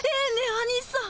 アニさん。